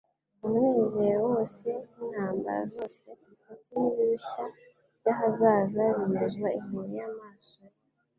Umunezero wose n'intambara zose ndetse n'ibirushya by'ahazaza binyuzwa imbere y'amaso ye.